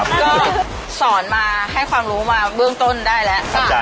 ก็สอนมาให้ความรู้มาเบื้องต้นได้แล้ว